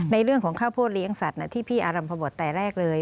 ในเรื่องของข้าวโพดเลี้ยงสัตว์ที่พี่อารัมพบทแต่แรกเลย